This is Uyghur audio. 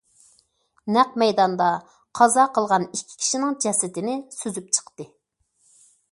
نەق مەيداندا، قازا قىلغان ئىككى كىشىنىڭ جەسىتىنى سۈزۈپ چىقتى.